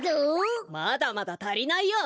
まだまだたりないよ。